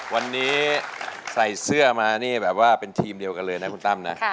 วันนี้ใส่เสื้อมานี่แบบว่าเป็นทีมเดียวกันเลยนะคุณตั้มนะ